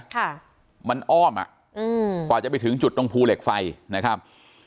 ค่ะมันอ้อมอ่ะอืมกว่าจะไปถึงจุดตรงภูเหล็กไฟนะครับ